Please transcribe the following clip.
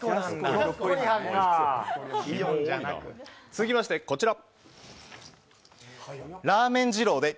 続きましてこちら。